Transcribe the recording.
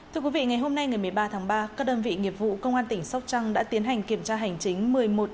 thưa quý vị ngày hôm nay ngày một mươi ba tháng ba các đơn vị nghiệp vụ công an tỉnh sóc trăng đã tiến hành kiểm tra hành chính